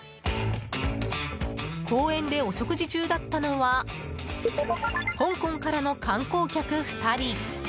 公園でお食事中だったのは香港からの観光客２人。